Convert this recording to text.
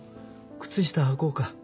靴下はこうか。